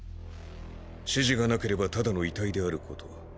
指示が無ければただの遺体である事。